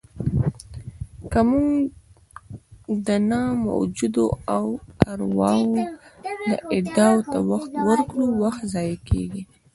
که موږ د نه موجودو ارواوو دعاوو ته وخت ورکړو، وخت ضایع کېږي.